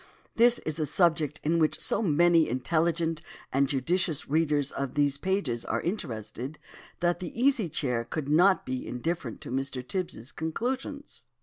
This is a subject in which so many intelligent and judicious readers of these pages are interested, that the Easy Chair could not be indifferent to Mr. Tibs's conclusions.